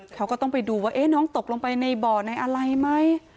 เขาก็ต้องไปดูว่าน้องตกลงไปในบ่อในอะไรไหม